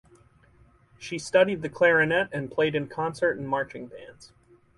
She studied the clarinet and played in concert and marching bands.